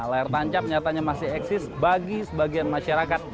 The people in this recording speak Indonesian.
layar tancap nyatanya masih eksis bagi sebagian masyarakat